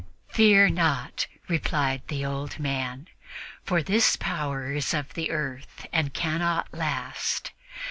"Fear not," replied the old man, "for this power is of the earth and cannot last.